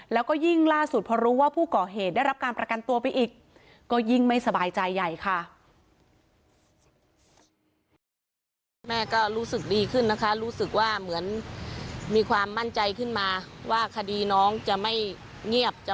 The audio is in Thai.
แล้วก็ยิ่งล่าสุดพอรู้ว่าผู้ก่อเหตุได้รับการประกันตัวไปอีกก็ยิ่งไม่สบายใจใหญ่ค่ะ